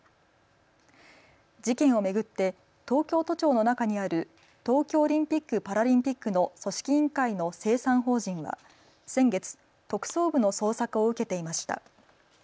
事件を巡って東京都庁の中にある東京オリンピック・パラリンピックの組織委員会の清算法人は先月、特捜部の捜索を受けていました。